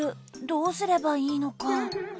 どうすればいいのか。